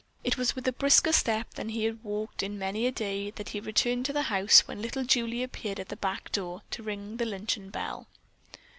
It was with a brisker step than he had walked in many a day that he returned to the house, when little Julie appeared at the back door to ring the luncheon bell.